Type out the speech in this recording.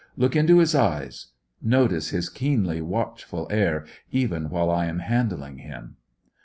Look into his eyes. Notice his keenly watchful air, even while I am handling him.